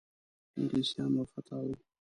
انګلیسیان وارخطا وه.